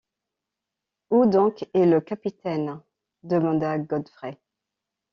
Où donc est le capitaine? demanda Godfrey.